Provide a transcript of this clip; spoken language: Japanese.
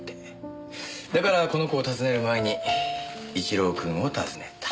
だからこの子を訪ねる前に一郎くんを訪ねた。